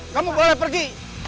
kamu boleh pergi